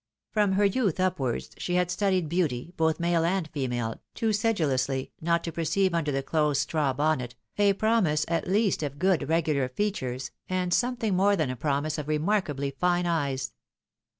From her youth upwards she had studied beauty, both male and female, too sedulously, not to perceive \inder the close straw bonnet, a promise at least of good regular features, and something more than a promise of remarkably fine eyes.